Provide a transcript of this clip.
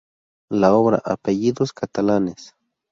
La obra "Apellidos Catalanes".